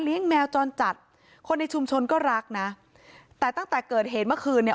แมวจรจัดคนในชุมชนก็รักนะแต่ตั้งแต่เกิดเหตุเมื่อคืนเนี่ย